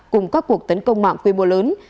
cùng các cuộc tấn công mạng quy mô lớn